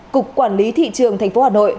cục quản lý thị trường tp hà nội